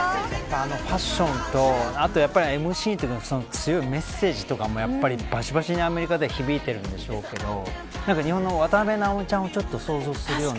あのファッションとあとやっぱりＭＣの強いメッセージとかもばしばしにアメリカでは響いてるんでしょうけど日本の渡辺直美ちゃんをちょっと想像しているよな。